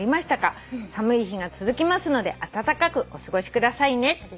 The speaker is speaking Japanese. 「寒い日が続きますのであたたかくお過ごしくださいね」